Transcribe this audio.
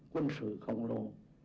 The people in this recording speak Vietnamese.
quân sự khổng lồ